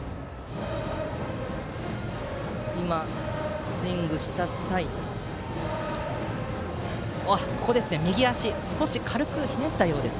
今、スイングした際に右足を軽くひねったようです。